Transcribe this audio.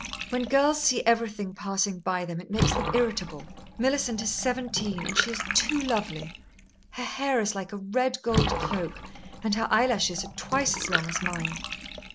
When girls see everything passing by them, it makes them irritable. Millicent is seventeen, and she is too lovely. Her hair is like a red gold cloak, and her eyelashes are twice as long as mine."